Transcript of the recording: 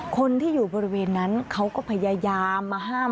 คนที่อยู่บริเวณนั้นเขาก็พยายามมาห้าม